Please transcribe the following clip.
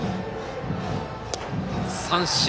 三振。